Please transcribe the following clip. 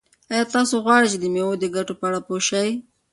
آیا تاسو غواړئ چې د مېوو د ګټو په اړه پوه شئ؟